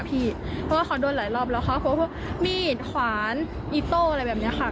เพราะว่าเขาโดนหลายรอบแล้วค่ะเพราะพวกมีดขวานอิโต้อะไรแบบนี้ค่ะ